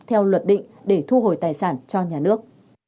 theo luật định để thu hồi tài sản cho nhà nước